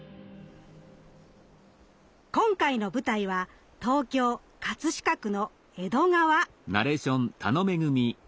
今回の舞台は東京飾区の江戸川。